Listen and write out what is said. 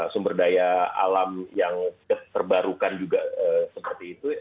sumber daya alam yang terbarukan juga seperti itu